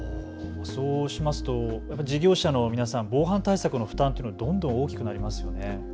そうしますと事業者の皆さん、防犯対策の負担というのはどんどん大きくなりますよね。